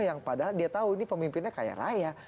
yang padahal dia tahu ini pemimpinnya kaya raya